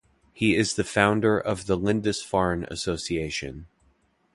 He is the founder of the Lindisfarne Association.